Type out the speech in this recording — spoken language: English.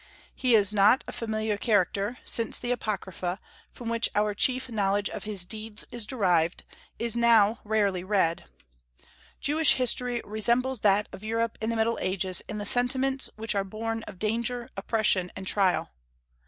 He is not a familiar character, since the Apocrypha, from which our chief knowledge of his deeds is derived, is now rarely read. Jewish history resembles that of Europe in the Middle Ages in the sentiments which are born of danger, oppression, and trial.